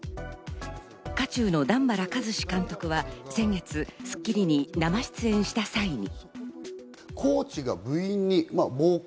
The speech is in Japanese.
渦中の段原一詞監督は先月『スッキリ』に生出演した際に。